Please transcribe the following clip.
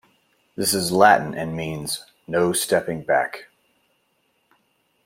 This is Latin and means 'no stepping back'.